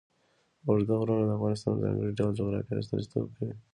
اوږده غرونه د افغانستان د ځانګړي ډول جغرافیه استازیتوب کوي.